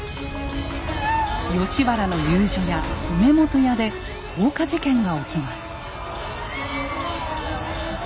吉原の遊女屋「梅本屋」で放火事件が起きます。